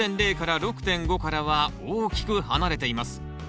ｐＨ６．０６．５からは大きく離れています。